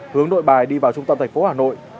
hướng nội bài đi vào trung tâm thành phố hà nội